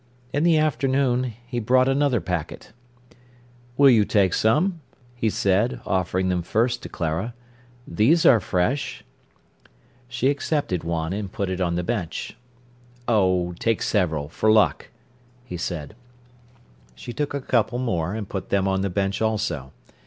In the afternoon he brought another packet. "Will you take some?" he said, offering them first to Clara. "These are fresh." She accepted one, and put it on to the bench. "Oh, take several—for luck," he said. She took a couple more, and put them on the bench also.